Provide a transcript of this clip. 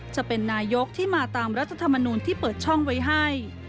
จะเป็นนายกที่มาตามรัฐธรรมนูลที่เปิดช่องไว้ให้